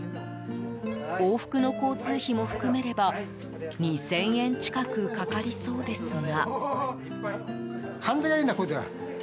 往復の交通費も含めれば２０００円近くかかりそうですが。